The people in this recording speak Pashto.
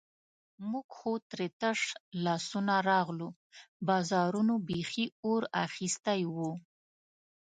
موږ خو ترې تش لاسونه راغلو، بازارونو بیخي اور اخیستی وو.